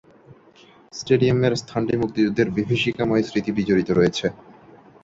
স্টেডিয়ামের স্থানটি মুক্তিযুদ্ধের বিভীষিকাময় স্মৃতি বিজড়িত রয়েছে।